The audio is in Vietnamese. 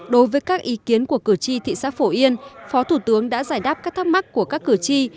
đối với các ý kiến của cử tri thị xã phổ yên phó thủ tướng đã giải đáp các thắc mắc của các cử tri